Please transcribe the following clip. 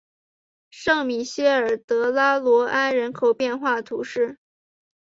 圣米歇尔德拉罗埃人口变化图示